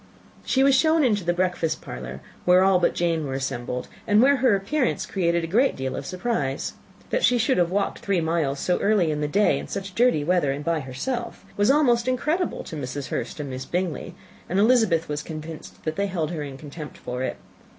She was shown into the breakfast parlour, where all but Jane were assembled, and where her appearance created a great deal of surprise. That she should have walked three miles so early in the day in such dirty weather, and by herself, was almost incredible to Mrs. Hurst and Miss Bingley; and Elizabeth was convinced that they held her in contempt for it.